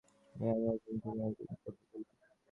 Young Wenjian, তুমি এই যানটা কোথায় পেলে?